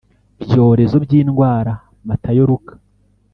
byorezo by indwara Matayo Luka